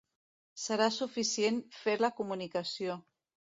Serà suficient fer la comunicació.